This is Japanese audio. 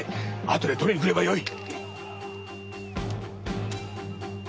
後で取りに来ればよい。